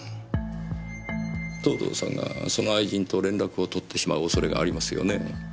藤堂さんがその愛人と連絡を取ってしまう恐れがありますよね？